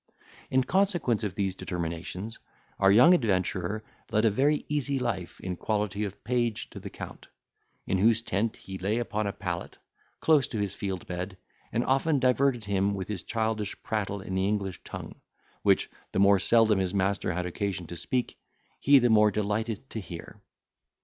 In consequence of these determinations, our young adventurer led a very easy life, in quality of page to the Count, in whose tent he lay upon a pallet, close to his field bed, and often diverted him with his childish prattle in the English tongue, which the more seldom his master had occasion to speak, he the more delighted to hear.